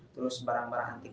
terus barang barang antik